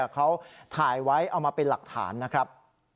เขาถ่ายไว้เอามาเป็นหลักฐานนะครับ